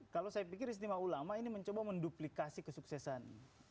kalau saya pikir istimewa ulama ini mencoba menduplikasi kesuksesan